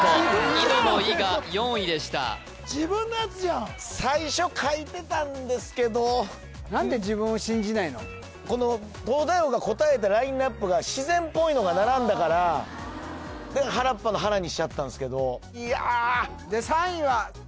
井戸の「井」が４位でした最初書いてたんですけどこの東大王が答えたラインナップが自然っぽいのが並んだからで原っぱの「原」にしちゃったんすけどいやで３位は？